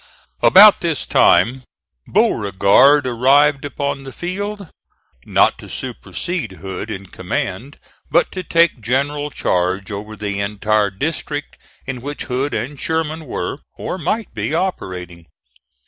About this time Beauregard arrived upon the field, not to supersede Hood in command, but to take general charge over the entire district in which Hood and Sherman were, or might be, operating.